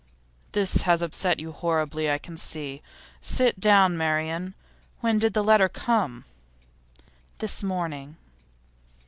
'This has upset you horribly, I can see. Sit down, Marian. When did the letter come?' 'This morning.